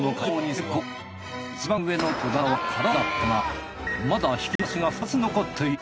その一番上の戸棚は空だったがまだ引き出しが２つ残っている。